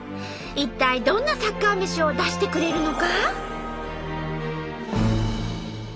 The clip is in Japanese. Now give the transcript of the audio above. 一体どんなサッカーめしを出してくれるのか？